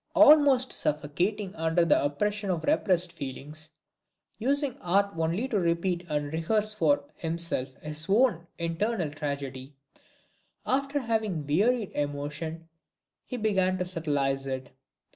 Almost suffocating under the oppression of repressed feelings, using art only to repeat and rehearse for himself his own internal tragedy, after having wearied emotion, he began to subtilize it.